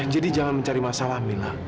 jadi jangan mencari masalah mila